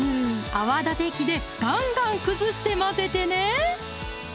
泡立て器でガンガン崩して混ぜてね！